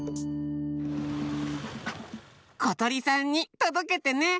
ことりさんにとどけてね！